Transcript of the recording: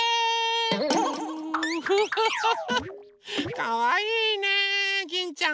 かわいいねギンちゃん。